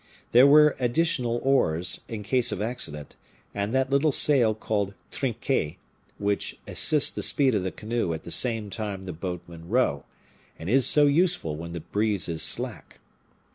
There were additional oars, in case of accident, and that little sail called trinquet, which assists the speed of the canoe at the same time the boatmen row, and is so useful when the breeze is slack.